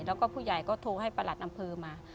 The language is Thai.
แล้วก็ผู้ใหญ่ก็โทรให้ประหลัดอำเภอมา